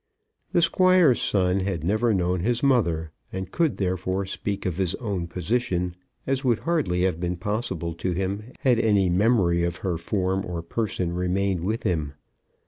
The Squire's son had never known his mother; and could therefore speak of his own position as would hardly have been possible to him had any memory of her form or person remained with him.